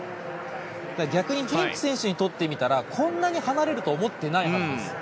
逆にフィンク選手からしてみたらこんなに離れるとは思っていないはずです。